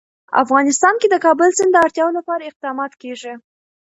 افغانستان کې د کابل سیند د اړتیاوو لپاره اقدامات کېږي.